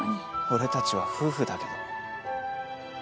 俺たちは夫婦だけど。